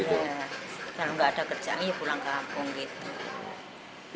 kalau nggak ada kerjaan ya pulang kampung gitu